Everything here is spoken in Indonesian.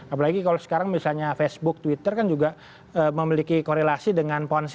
apalagi kalau sekarang misalnya facebook twitter kan juga memiliki korelasi dengan ponsel